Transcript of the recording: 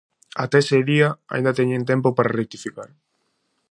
Ata ese día, aínda teñen tempo para rectificar.